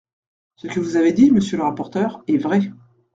Ce que vous avez dit, monsieur le rapporteur est vrai.